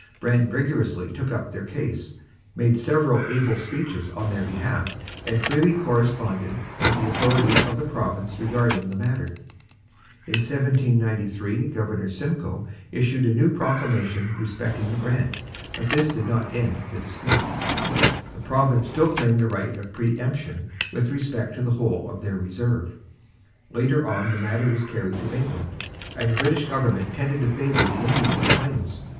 Brant vigorously took up their case, made several able speeches on their behalf, and freely corresponded with the authorities of the province regarding the matter. In 1793 Governor Simcoe issued a new proclamation respecting the grant, but this did not end the dispute. The province still claimed the right of pre emption with respect to the whole of their reserve. Later on the matter was carried to England, and the British government tended to favour the Indians' claims.